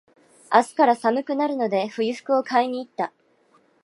明日から寒くなるので、冬服を買いに行った。